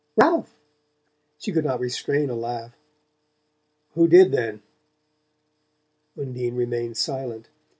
"RALPH!" She could not restrain a laugh. "Who did, then?" Undine remained silent.